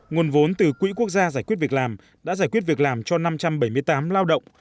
nguồn vốn từ quỹ quốc gia giải quyết việc làm đã giải quyết việc làm cho năm trăm bảy mươi tám lao động